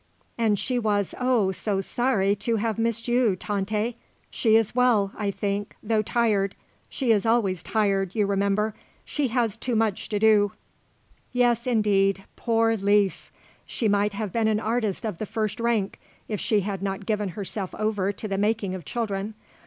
"And she was, oh, so sorry to have missed you, Tante. She is well, I think, though tired; she is always tired, you remember. She has too much to do." "Indeed, yes; poor Lise. She might have been an artist of the first rank if she had not given herself over to the making of children.